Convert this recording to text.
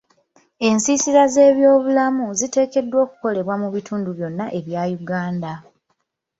Ensiisira z'ebyobulamu ziteekeddwa okukolebwa mu bitundu byonna ebya Uganda.